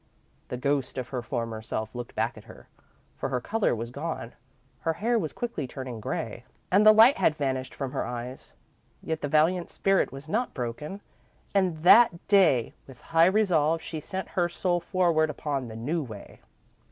The ghost of her former self looked back at her, for her colour was gone, her hair was quickly turning grey, and the light had vanished from her eyes. Yet the valiant spirit was not broken, and that day, with high resolve, she sent her soul forward upon the new way.